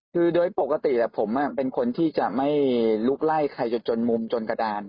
คือโดยปกติผมเป็นคนที่จะไม่ลุกไล่ใครจนจนมุมจนกระดาน